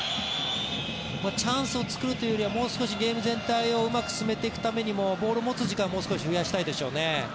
チャンスを作るというよりはもう少しゲーム全体をうまく進めていくためにもボールを持つ時間をもう少し増やしたいでしょうね。